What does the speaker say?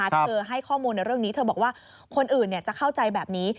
เธอให้ข้อมูลในเรื่องนี้เธอบอกว่าคนอื่นจะเข้าใจแบบนี้